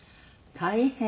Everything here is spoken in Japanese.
大変。